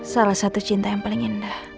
salah satu cinta yang paling indah